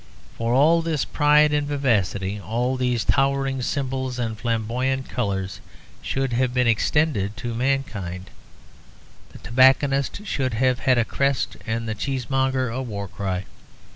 For all this pride and vivacity, all these towering symbols and flamboyant colours, should have been extended to mankind. The tobacconist should have had a crest, and the cheesemonger a war cry.